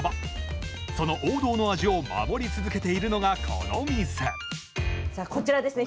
その王道の味を守り続けているのがこの店こちらですね